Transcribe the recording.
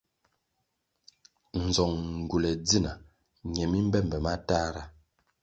Nzong ngywule ndzina nye mi mbe mbe matahra.